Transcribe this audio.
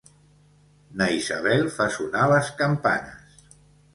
Na Isabel fa sonar les campanes.